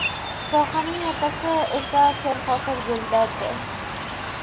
sohaning ertasi esa serhosil bo‘ladi.